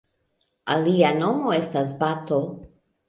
Alia nomo estas bato.